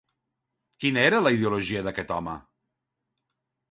Quina era la ideologia d'aquest home?